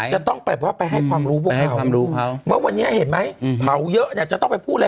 จะต้องไปให้ความรู้พวกเขาวันนี้เห็นไหมเผาเยอะจะต้องไปพูดอะไร